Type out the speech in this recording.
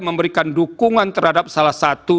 memberikan dukungan terhadap salah satu